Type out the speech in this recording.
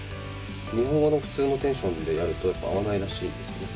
日本語の普通のテンションでやると、合わないらしいんですよね。